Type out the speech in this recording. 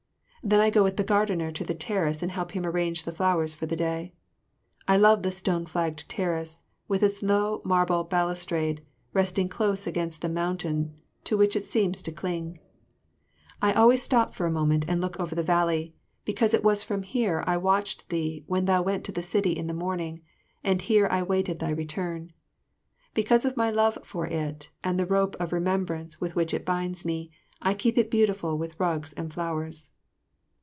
Then I go with the gardener to the terrace and help him arrange the flowers for the day. I love the stone flagged terrace, with its low marble balustrade, resting close against the mountain to which it seems to cling. I always stop a moment and look over the valley, because it was from here I watched thee when thou went to the city in the morning, and here I waited thy return. Because of my love for it and the rope of remembrance with which it binds me, I keep it beautiful with rugs and flowers.